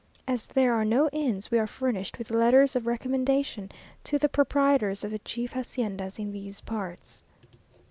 As there are no inns, we are furnished with letters of recommendation to the proprietors of the chief haciendas in these parts.